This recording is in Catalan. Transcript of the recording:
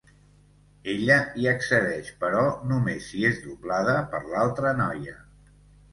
Ella hi accedeix però només si és doblada per l'altra noia.